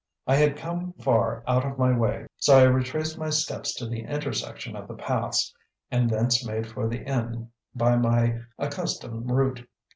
I had come far out of my way, so I retraced my steps to the intersection of the paths, and thence made for the inn by my accustomed route.